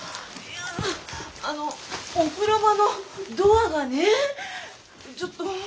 あのお風呂場のドアがねちょっと。